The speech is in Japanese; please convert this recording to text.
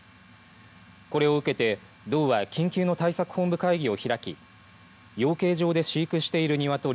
これを受けて道は緊急の対策本部会議を開き養鶏場で飼育している鶏